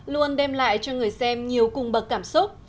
luôn đem lại cho người xem nhiều cùng bậc cảm xúc